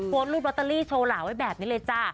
โพสต์รูปลอตเตอรี่โชว์หลาไว้แบบนี้เลยจ้ะ